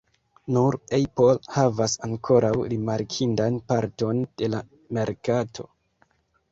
Nur Apple havas ankoraŭ rimarkindan parton de la merkato.